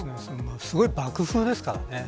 すごい爆風ですからね。